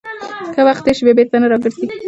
که وخت تېر شي، بیا بیرته نه راګرځي.